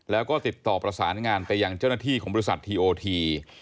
แล้วก็ติดต่อประสานงานไปยังเจ้าหน้าที่ของบริษัททีโอที